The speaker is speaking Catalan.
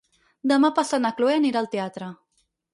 Demà passat na Cloè anirà al teatre.